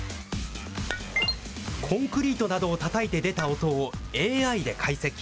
コンクリートなどをたたいて出た音をＡＩで解析。